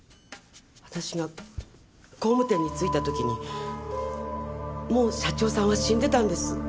私が工務店に着いた時にもう社長さんは死んでたんです。